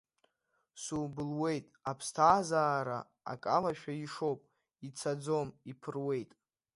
Субылуеит, аԥсҭазаара акалашәа ишоуп, ицаӡом иԥыруеит.